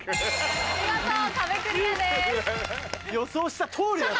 見事壁クリアです。